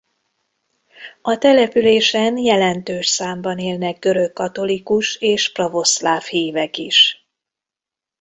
A településen jelentős számban élnek görögkatolikus és pravoszláv hívek is.